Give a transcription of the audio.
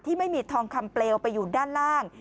ไม่มีทองคำเปลวไปอยู่ด้านล่าง